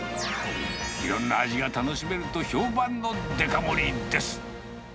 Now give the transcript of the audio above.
いろんな味が楽しめると評判のデカ盛りです。